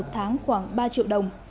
tháng khoảng ba triệu đồng